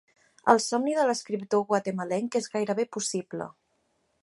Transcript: El somni de l'escriptor guatemalenc és gairebé possible.